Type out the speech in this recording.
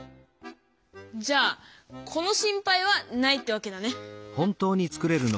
じゃあこの心配はないってわけだね。